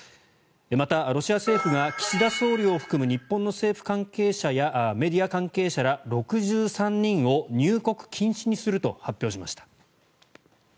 また、ロシア政府が岸田総理を含む日本の政府関係者やメディア関係者ら６３人を入国禁止にすると発表しました。